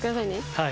はい。